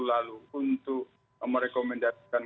lalu untuk merekomendasikan